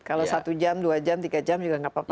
kalau satu jam dua jam tiga jam juga nggak apa apa